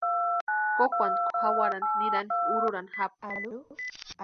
Kokwantkʼu jawarani nirani urhurani japu.